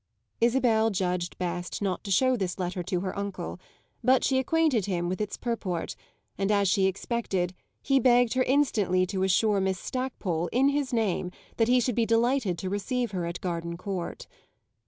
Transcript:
Isabel judged best not to show this letter to her uncle; but she acquainted him with its purport, and, as she expected, he begged her instantly to assure Miss Stackpole, in his name, that he should be delighted to receive her at Gardencourt.